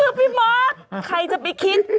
คือพี่มอสใครจะไปคิด